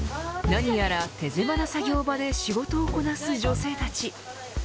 何やら手狭な作業場で仕事をこなす女性たち。